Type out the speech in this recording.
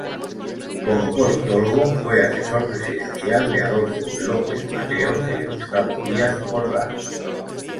Como politólogo, fue asesor presidencial de Adolfo López Mateos y de Gustavo Díaz Ordaz.